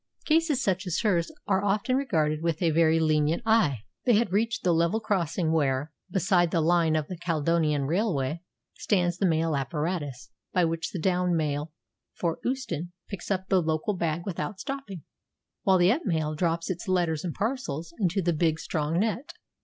Cases such as hers are often regarded with a very lenient eye. They had reached the level crossing where, beside the line of the Caledonian Railway, stands the mail apparatus by which the down mail for Euston picks up the local bag without stopping, while the up mail drops its letters and parcels into the big, strong net.